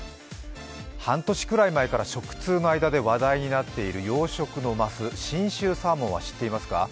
半年くらい前から食通の間で話題になっている養殖のます、信州サーモンは知っていますか？